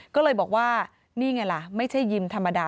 ก็เลยบอกว่านี่ไงล่ะไม่ใช่ยิมธรรมดา